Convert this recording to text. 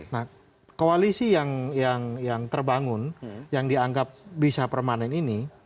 nah koalisi yang terbangun yang dianggap bisa permanen ini